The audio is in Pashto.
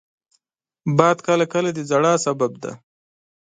باد کله کله د ژړا سبب دی